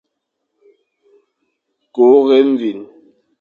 Kur évîn.